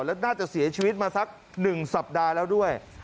แล้วน่าจะเสียชีวิตมาสัก๑สัปดาห์แล้วด้วย